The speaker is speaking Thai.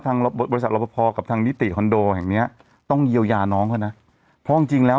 บริษัทรับประพอกับทางนิติคอนโดแห่งเนี้ยต้องเยียวยาน้องเขานะเพราะจริงจริงแล้ว